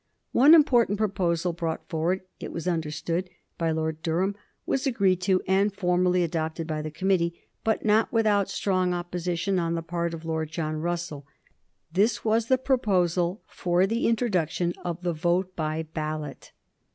One important proposal, brought forward, it was understood, by Lord Durham, was agreed to and formally adopted by the committee, but not without strong opposition on the part of Lord John Russell. This was the proposal for the introduction of the vote by ballot.